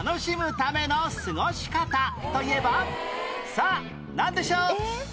さあなんでしょう？